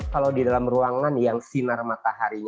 kalau di dalam ruangan yang sinar mataharinya agak kurang